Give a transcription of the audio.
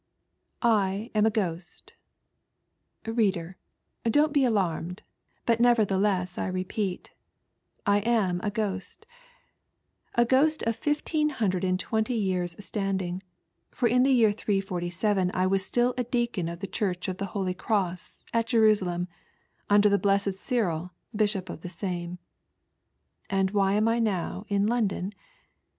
I i AM a Ghost. Reader, don't bo alarmed, but nevei^ thelesa I repeat, I am a, Ghost. A ghost of 1520 years' standing; for in the year 347 I was still a deacon of the Church ot the Holy Cross, at Jerusalem, . nnder the Blessed Cyril, bishop of the same. And why I &m I now in London